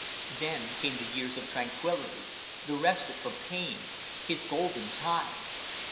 Then came the years of tranquillity, the respite from pain, his golden time.